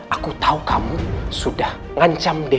aku tahu kamu sudah ngancam demokrasi